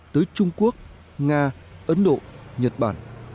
tới trung quốc nga ấn độ nhật bản